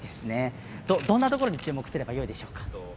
どんなところに注目すればよろしいですか？